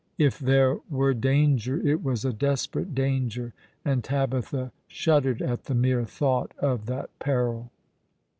If there were danger it was a desperate danger, and Tabitha shuddered at the mere thought of that peril.